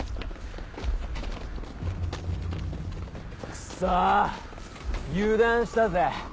クソ油断したぜ。